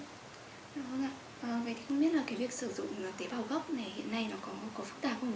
vâng vậy thì không biết là cái việc sử dụng tế bào gốc này hiện nay nó có phức tạp không ạ